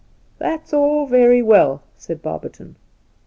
' That's all very well,' said Barberton.